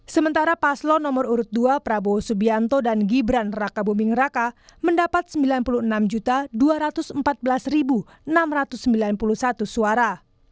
sementara paslon nomor urut dua prabowo subianto dan gibran raka buming raka mendapat sembilan puluh enam dua ratus empat belas enam ratus sembilan puluh satu suara